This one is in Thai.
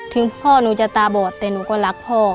ถึงพ่อหนูจะตาบอดแต่หนูก็รักพ่อ